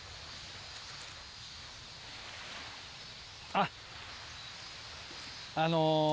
あっあの。